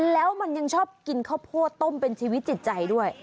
แล้วมันยังชอบกินข้าวโพดต้มเป็นชีวิตจิตใจด้วย